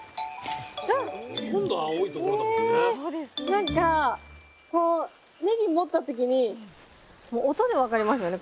なんかこうねぎ持った時にもう音でわかりますよね